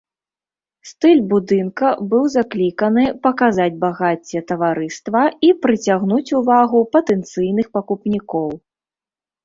Стыль будынка быў закліканы паказаць багацце таварыства і прыцягнуць увагу патэнцыйных пакупнікоў.